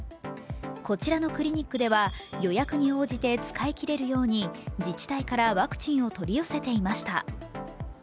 こちらのクリニックでは予約に応じて使い切れるように自治体からワクチンを取り寄せていました。